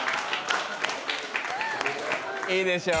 いいでしょう。